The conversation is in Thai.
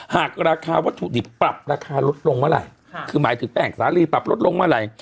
หากราคาวัตถุดิบปรับราคาลดลงเมื่อไหร่คือหมายถึงแป้งสาลีปรับลดลงเมื่อไหร่